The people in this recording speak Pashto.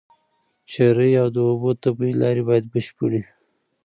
چرۍ او د اوبو طبيعي لاري بايد بشپړي